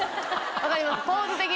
分かります？